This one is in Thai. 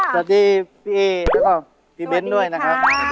สวัสดีพี่เอแล้วก็พี่เบ้นด้วยนะครับ